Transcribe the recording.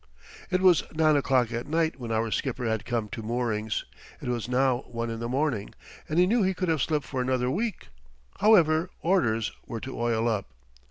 It was nine o'clock at night when our skipper had come to moorings. It was now one in the morning, and he knew he could have slept for another week; however, orders were to oil up.